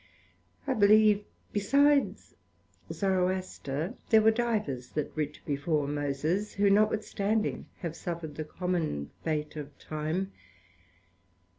I believe besides Zoroaster, there were divers that writ before Moses, who, notwithstanding, have suffered the common fate of time.